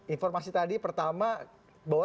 informasi tadi pertama bahwa